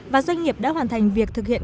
và doanh nghiệp đã hoàn thành việc thực hiện